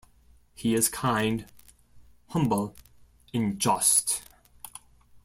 He is kind, humble and just.